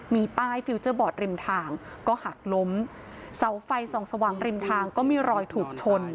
มีป้ายฟิลเจอร์บอร์ดริมทางก็หักล้มเสาไฟส่องสว่างริมทางก็มีรอยถูกชน